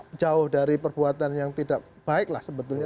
itu jauh dari perbuatan yang tidak baik lah sebetulnya